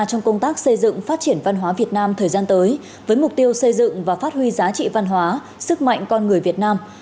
trong công tác xây dựng phát triển văn hóa việt nam thời gian tới với mục tiêu xây dựng và phát huy giá trị văn hóa sức mạnh con người việt nam